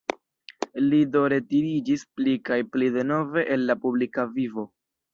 Li do retiriĝis pli kaj pli denove el la publika vivo.